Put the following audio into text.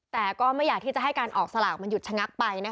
แต่ก็ไม่อยากที่จะให้การออกสลากมันหยุดชะงักไป